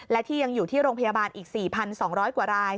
และที่ยังอยู่ที่โรงพยาบาลอีก๔๒๐๐กว่าราย